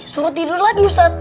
suruh tidur lagi ustad